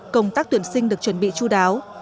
công tác tuyển sinh được chuẩn bị chú đáo